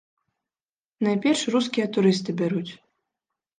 Найперш, рускія турысты бяруць.